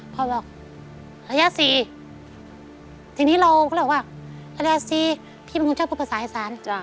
พอบอกระยะสี่ทีนี้เราก็เรียกว่าระยะสี่พี่มันคุณชอบพูดภาษาอิสาน